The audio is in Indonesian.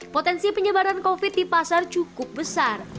potensi penyebaran covid di pasar cukup besar